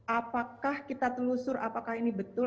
apakah kita telusur apakah ini betul